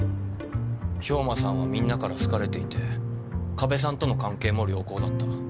兵馬さんはみんなから好かれていて加部さんとの関係も良好だった。